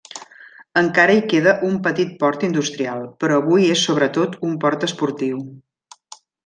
Encara hi queda un petit port industrial, però avui és sobretot un port esportiu.